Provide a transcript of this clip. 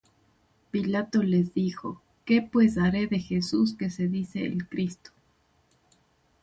Pilato les dijo: ¿Qué pues haré de Jesús que se dice el Cristo?